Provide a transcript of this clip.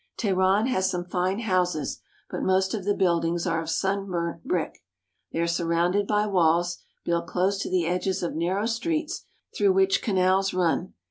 Teheran has some fine houses, but most of the buildings are of sun burnt brick. They are surrounded by walls, built close to the edges of narrow streets, through which canals run.